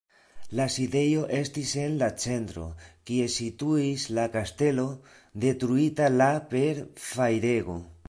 La sidejo estis en la centro, kie situis la kastelo, detruita la per fajrego.